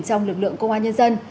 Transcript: trong lực lượng công an nhân dân